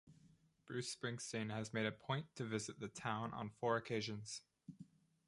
Bruce Springsteen has made a point to visit the town on four occasions.